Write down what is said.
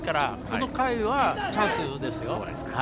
この回は、チャンスですよ。